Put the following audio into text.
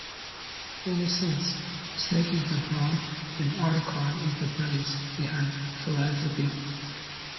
In a sense, Snake is the brawn and Otacon is the brains behind Philanthropy.